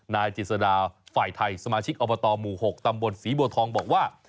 นายจิสดาฝ่ายไทยสมาชิกอบตหมู่๖ตำบลศรีบัวทองบอกว่า